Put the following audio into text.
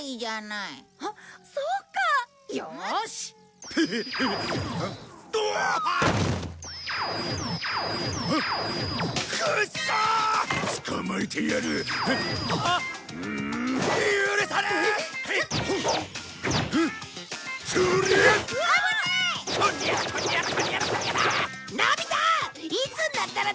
いつになったら届くんだ！？